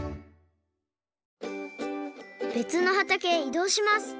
べつのはたけへいどうします